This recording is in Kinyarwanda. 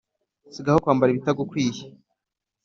sigaho kwambara ibitagukwiye